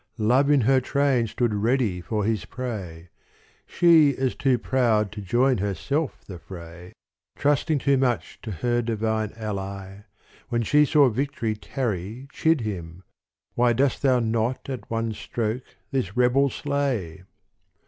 Love in her train stood ready for his prey. She as too pr6ud to join herself the fray, Trusting too much to her divine ally, When she saw victory tarry chid him — Why Dost thou not at one stroke this rebel slay